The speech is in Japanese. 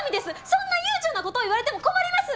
そんな悠長なことを言われても困ります！